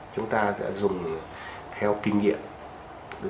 chúng ta sẽ dùng theo kinh nghiệm